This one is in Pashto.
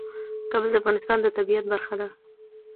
کابل د افغانستان د طبیعت برخه ده.